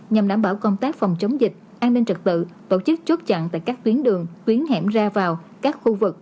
nhằm đảm bảo công tác phòng chống dịch an ninh trật tự tổ chức chốt chặn tại các tuyến đường tuyến hẻm ra vào các khu vực